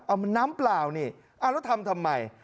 เอามันน้ำเปล่านี่เอาแล้วทำทำไม